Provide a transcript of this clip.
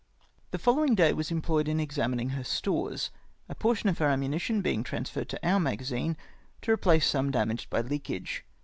The followmg day was employed in examining her stores, a portion of her ammunition being transferred to our magazine, to replace some damaged by leakage.